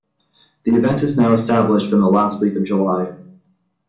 The event is now established in the last week of July.